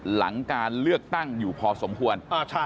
หลังการเลือกตั้งอยู่พอสมควร